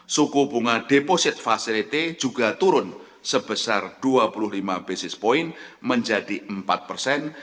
suku bunga deposit facility juga turun sebesar dua puluh lima basis point menjadi empat persen